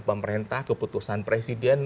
pemerintah keputusan presiden